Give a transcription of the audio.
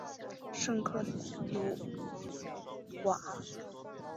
圣克鲁瓦。